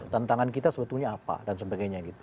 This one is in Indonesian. tantangan kita sebetulnya apa dan sebagainya gitu